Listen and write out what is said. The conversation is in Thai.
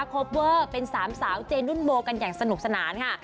คอปเวอร์เป็นสามสาวเจนุ่นโบกันอย่างสนุกสนานค่ะ